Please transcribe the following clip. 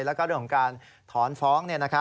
แล้วก็เรื่องของการถอนฟ้อง